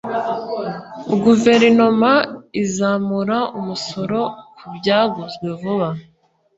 guverinoma izamura umusoro ku byaguzwe vuba